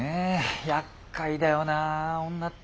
やっかいだよな女って。